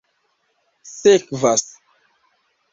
sekvas